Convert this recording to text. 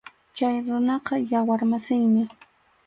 Chay runaqa yawar masiymi.